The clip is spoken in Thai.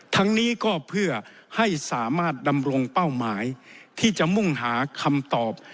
ทั้งนี้ก็เพื่อให้สามารถดำรงเป้าหมายที่จะมุ่งหาคำตอบ